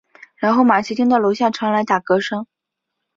然后玛琦听到楼下传来有打嗝声。